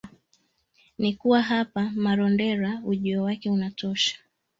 ni kuwa hapa Marondera, ujio wake unatosha